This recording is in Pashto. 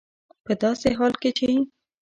په داسې حال کې چې